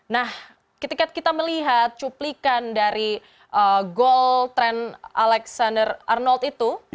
nah ketika kita melihat cuplikan dari gol tren alexander arnold itu